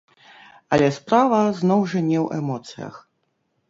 Але справа, зноў жа, не ў эмоцыях.